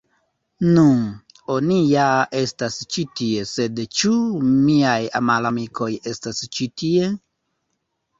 Nu.. Oni ja estas ĉi tie sed ĉu miaj malamikoj estas ĉi tie?